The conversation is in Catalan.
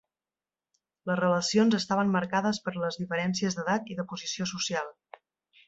Les relacions estaven marcades per les diferències d'edat i de posició social.